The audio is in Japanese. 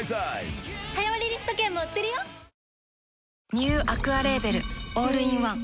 ニューアクアレーベルオールインワン